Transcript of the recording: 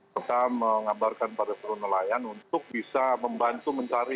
serta mengabarkan pada seluruh nelayan untuk bisa membantu mencari